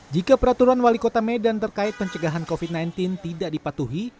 jika peraturan wali kota medan terkait pencegahan covid sembilan belas tidak dipatuhi